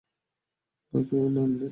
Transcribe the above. ভয় পেয়ো না, অ্যামলেথ।